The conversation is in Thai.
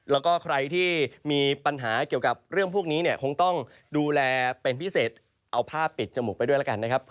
แล้วก็ใครที่มีปัญหาเกี่ยวกับเรื่องพวกนี้เนี่ยคงต้องดูแลเป็นพิเศษเอาผ้าปิดจมูกไปด้วยแล้วกันนะครับ